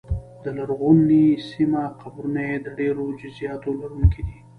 د لرغونې سیمې قبرونه یې د ډېرو جزییاتو لرونکي دي